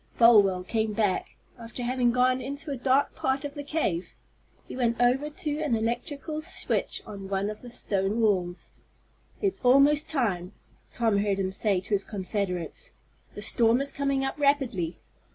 Folwell came back, after having gone into a dark part of the cave. He went over to an electrical switch on one of the stone walls. "It's almost time," Tom heard him say to his confederates. "The storm is coming up rapidly."